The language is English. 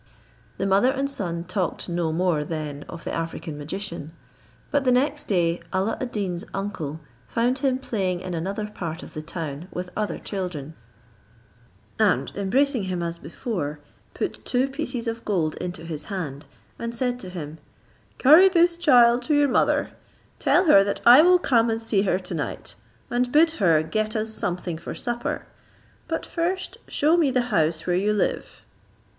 The mother and son talked no more then of the African magician; but the next day Alla ad Deen's uncle found him playing in another part of the town with other children, and embracing him as before, put two pieces of gold into his hand, and said to him, "Carry this, child, to your mother, tell her that I will come and see her tonight, and bid her get us something for supper; but first shew me the house where you live."